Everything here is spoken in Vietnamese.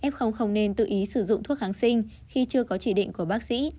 f không nên tự ý sử dụng thuốc kháng sinh khi chưa có chỉ định của bác sĩ